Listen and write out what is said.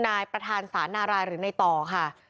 นายประธานศาลนารายหรือในต่อค่ะ